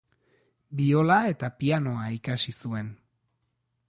Biola eta pianoa ikasi zuen.